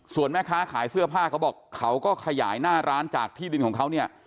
ส่วนแม่ค้าขายเสื้อผ้าเขาบอกเขาก็ขยายหน้าร้านจากที่ดินของเขาเนี่ย